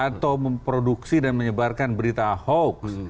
atau memproduksi dan menyebarkan berita hoax